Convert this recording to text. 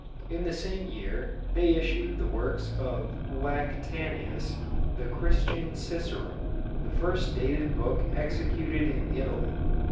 In the same year they issued the works of Lactantius, "the Christian Cicero," the first dated book executed in Italy.